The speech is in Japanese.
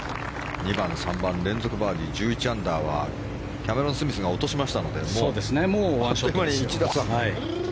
２番、３番と連続バーディーで１１アンダーはキャメロン・スミスが落としましたのでもう１打差。